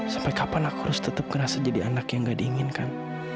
sampai kapan aku harus tetap kena sejadi anak yang nggak diinginkan